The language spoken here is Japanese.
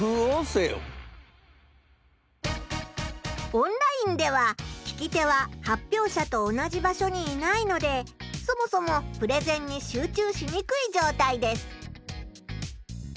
オンラインでは聞き手は発表者と同じ場所にいないのでそもそもプレゼンに集中しにくいじょうたいです。